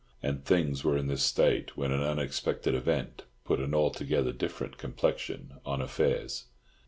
And things were in this state when an unexpected event put an altogether different complexion on affairs.